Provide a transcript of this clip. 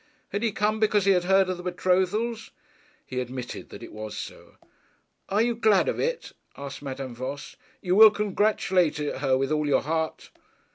Had he come because he had heard of the betrothals? He admitted that it was so. 'And you are glad of it?' asked Madame Voss. 'You will congratulate her with all your heart?'